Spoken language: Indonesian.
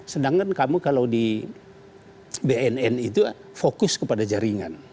sedangkan kamu kalau di bnn itu fokus kepada jaringan